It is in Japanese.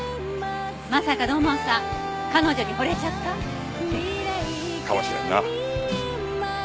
まさか土門さん彼女に惚れちゃった？かもしれんな。